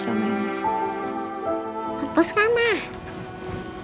dan menyianyikan kamu selama ini